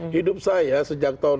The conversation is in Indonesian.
hidup saya sejak tahun delapan puluh an